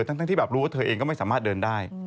ทั้งที่แบบรู้ว่าเธอเองก็ไม่สามารถเดินได้